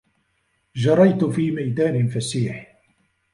جَرَيْتُ فِي مَيْدَانٍ فَسِيحٍ.